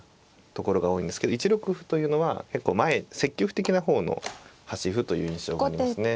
ところが多いんですけど１六歩というのは結構前積極的な方の端歩という印象がありますね。